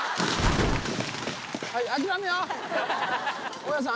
大矢さん